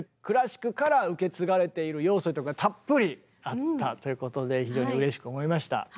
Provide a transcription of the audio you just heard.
クラシックから受け継がれている要素とかたっぷりあったということで非常にうれしく思いました。